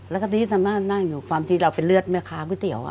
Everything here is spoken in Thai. แล้วก็ทีนี้ทำหน้านั่งอยู่ความจริงเราเป็นเลือดแม่คาคุ้ดเตี๋ยว